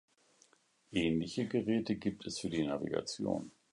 Ähnliche Geräte gibt es für die Navigation.